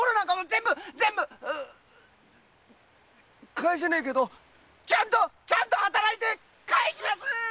返せねえけどちゃんとちゃんと働いて返します‼